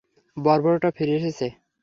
বর্বরটা ফিরে এসেছে।